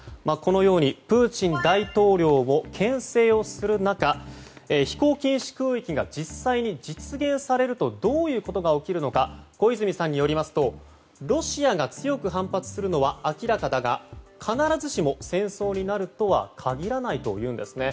このようにプーチン大統領をけん制をする中飛行禁止空域が実際に実現されるとどういうことが起きるのか小泉さんによりますとロシアが強く反発するのは明らかだが必ずしも戦争になるとは限らないというんです。